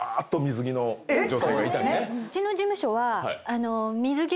うちの事務所は。